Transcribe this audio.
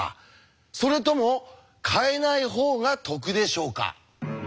それとも変えない方が得でしょうか？